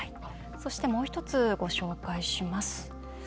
もう１つ、ご紹介します。